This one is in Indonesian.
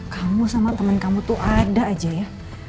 kamu sama temen kamu tuh ada aja ya